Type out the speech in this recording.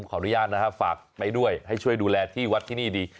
ขออนุญาตนะฮะฝากไปด้วยให้ช่วยดูแลที่วัดที่นี่ดี